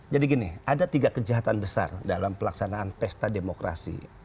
jadi gini ada tiga kejahatan besar dalam pelaksanaan pesta demokrasi